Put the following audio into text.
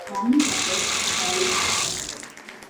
Formal suppers follow a standard order.